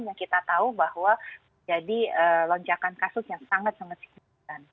yang kita tahu bahwa jadi lonjakan kasus yang sangat sangat signifikan